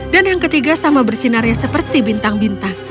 dan yang ketiga sama bersinar seperti bintang bintang